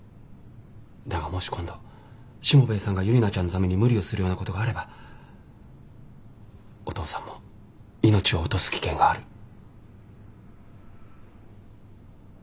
だがもし今度しもべえさんがユリナちゃんのために無理をするようなことがあればお父さんも命を落とす危険がある。